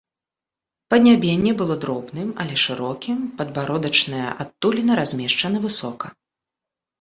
Паднябенне было дробным, але шырокім, падбародачная адтуліна размешчана высока.